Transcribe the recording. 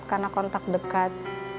karena kontak dekat